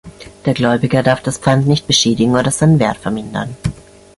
Der Gläubiger darf das Pfand nicht beschädigen oder seinen Wert vermindern.